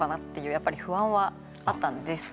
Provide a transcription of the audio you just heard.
やっぱり不安はあったんですけど。